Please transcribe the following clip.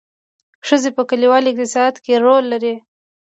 ښځې په کلیوالي اقتصاد کې رول لري